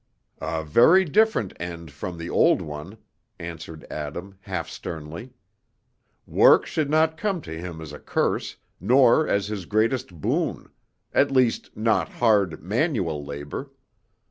"A very different end from the old one," answered Adam, half sternly. "Work should not come to him as a curse, nor as his greatest boon; at least, not hard, manual labor.